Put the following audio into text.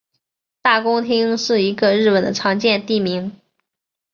大工町是一个日本的常见地名。